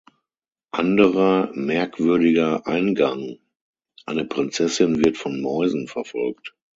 Anderer „merkwürdiger Eingang“: Eine Prinzessin wird von Mäusen verfolgt.